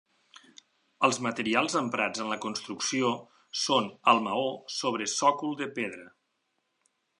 Els materials emprats en la construcció són el maó sobre sòcol de pedra.